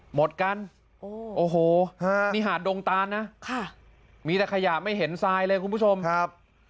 หมดกันโอ้โหนี่หาดดงตานนะค่ะมีแต่ขยะไม่เห็นทรายเลยคุณผู้ชมครับ